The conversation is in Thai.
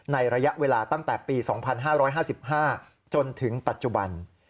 ระยะเวลาตั้งแต่ปี๒๕๕๕จนถึงปัจจุบัน